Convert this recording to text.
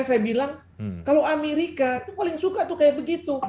saya bilang kalau amerika itu paling suka tuh kayak begitu